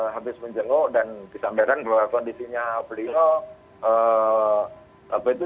habis menjenguk dan disampaikan bahwa kondisinya beliau